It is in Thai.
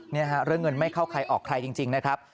เนี่ยฮะเรื่องเงินไม่เข้าใครออกใครจริงนะครับ